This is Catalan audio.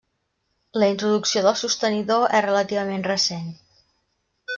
La introducció del sostenidor és relativament recent.